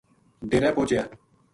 ڈیرے پوہچیا